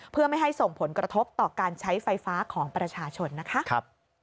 เพื่อไม่ให้ส่งผลกระทบต่อการใช้ไฟฟ้าของประชาชนนะคะ